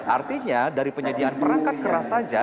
artinya dari penyediaan perangkat keras saja